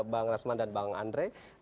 bang rasman dan bang andre